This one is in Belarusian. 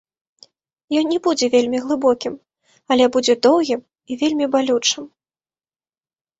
Ён не будзе вельмі глыбокім, але будзе доўгім і вельмі балючым.